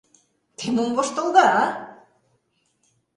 Те мом воштылыда, а?